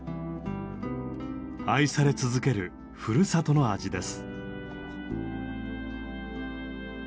愛され続けるふるさとの味です。